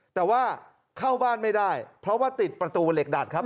แต่ว่าเข้าบ้านไม่ได้เพราะว่าติดประตูเหล็กดัดครับ